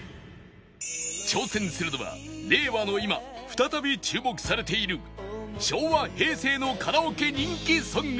挑戦するのは令和の今再び注目されている昭和・平成のカラオケ人気ソング